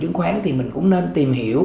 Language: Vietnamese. chứng khoán thì mình cũng nên tìm hiểu